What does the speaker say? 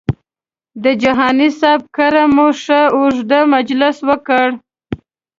د جهاني صاحب کره مو ښه اوږد مجلس وکړ.